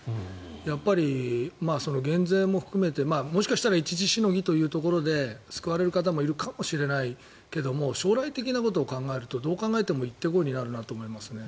やっぱり減税も含めてもしかしたら一時しのぎというところで救われる方もいるかもしれないけども将来的なことを考えるとどう考えても行って来いになるなと思いますね。